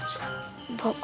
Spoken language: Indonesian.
kalau using hena